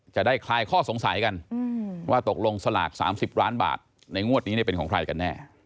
คลายข้อสงสัยกันว่าตกลงสลาก๓๐ล้านบาทในงวดนี้เป็นของใครกันแน่